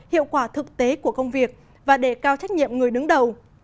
hiệu quả thực tế của công việc và đề cao trách nhiệm người đứng đầu